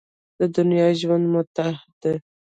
د دنیا ژوند متاع ده.